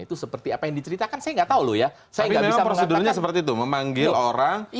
itu seperti apa yang diceritakan saya nggak tahu loh ya saya nggak bisa prosedurnya seperti itu memanggil orang